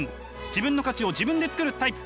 自分の価値を自分で作るタイプ。